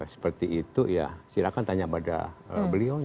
seperti itu ya silakan tanya pada beliau